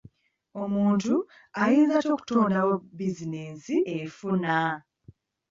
Omuntu ayinza atya okutondawo bizinensi efuna?